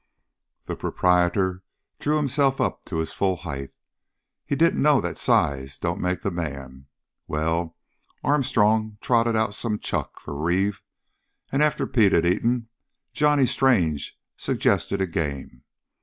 The proprietor drew himself up to his full height. "He didn't know that size don't make the man! Well, Armstrong trotted out some chuck for Reeve, and after Pete had eaten, Johnny Strange suggested a game.